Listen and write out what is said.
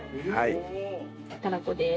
たらこです。